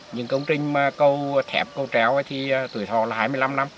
những công trình mà cầu thẹp cầu tréo thì tuổi thò là hai mươi năm năm